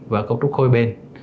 và cấu trúc khôi bên